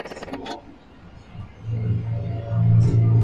Se compone de granito y gneis.